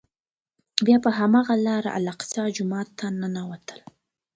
بیا په هماغه لاره الاقصی جومات ته ننوتل.